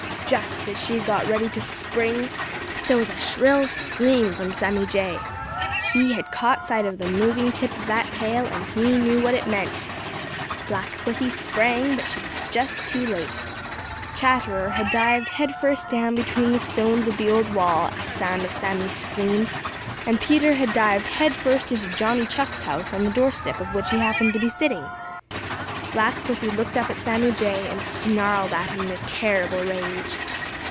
Just as she got ready to spring, there was a shrill scream from Sammy Jay. He had caught sight of the moving tip of that tail, and he knew what it meant. Black Pussy sprang, but she was just too late. Chatterer had dived headfirst down between the stones of the old wall at the sound of Sammy's scream, and Peter had dived headfirst into Johnny Chuck's house, on the doorstep of which he happened to be sitting. Black Pussy looked up at Sammy Jay and snarled at him in a terrible rage.